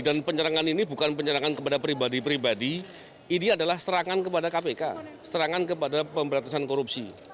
dan penyerangan ini bukan penyerangan kepada pribadi pribadi ini adalah serangan kepada kpk serangan kepada pemberantasan korupsi